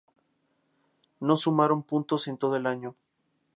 No sumaron puntos en todo el año.